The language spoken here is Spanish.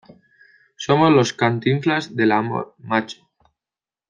somos los Cantinflas del amor, macho.